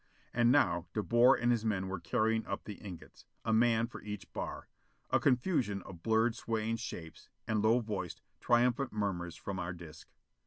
And now De Boer and his men were carrying up the ingots. A man for each bar. A confusion of blurred swaying shapes, and low voiced, triumphant murmurs from our disc.